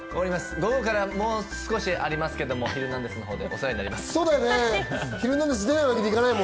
午後からもう少しありますけど、『ヒルナンデス！』のほうでお世話になります。